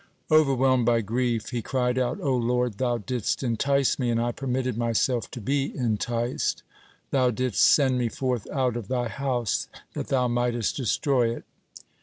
Overwhelmed by grief, he cried out: "O Lord, Thou didst entice me, and I permitted myself to be enticed; Thou didst send me forth out of Thy house that Thou mightest destroy it."